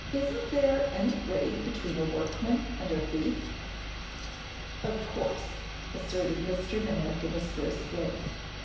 "Isn't there any grade between a workman and a thief?" "Of course," asserted Mr. Merrick, in his brisk way.